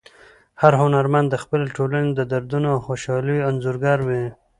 هر هنرمند د خپلې ټولنې د دردونو او خوشحالیو انځورګر وي.